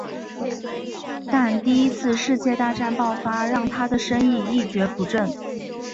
但第一次世界大战爆发让他的生意一蹶不振。